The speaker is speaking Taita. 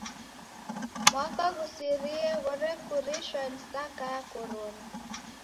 Mwaka ghusirie ghorekurishwa ni saka ya Korona.